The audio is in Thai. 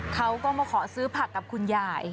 เขาก็มาขอซื้อผักกับคุณยาย